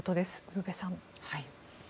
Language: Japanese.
ウルヴェさん。